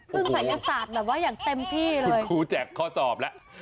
พึ่งศัพท์ภาษาแบบว่าอย่างเต็มที่เลย